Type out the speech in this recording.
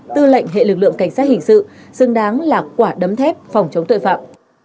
tư lệnh hệ lực lượng cảnh sát hình sự xứng đáng là quả đấm thép phòng chống tội phạm